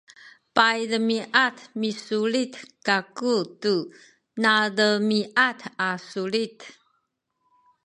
paydemiad misulit kaku tu nademiad a sulit